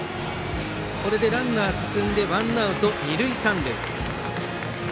これでランナーが進んでワンアウト、二塁三塁。